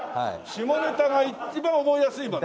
下ネタが一番覚えやすいもんね。